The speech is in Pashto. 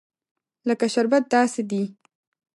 لکه شربت داسې دي.